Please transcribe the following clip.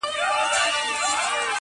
د مېږیانو کور له غمه نه خلاصېږي.!.!